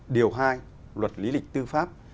điều hai luật lý lịch tư pháp